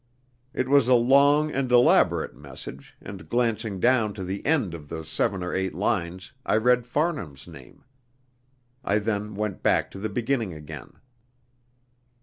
It was a long and elaborate message, and glancing down to the end of the seven or eight lines I read Farnham's name. I then went back to the beginning again.